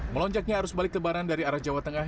melonjaknya arus balik lebaran dari arah jawa tengah